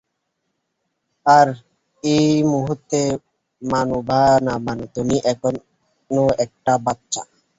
আর এই মুহূর্তে, মানো বা না মানো, তুমি এখনও একটা বাচ্চা।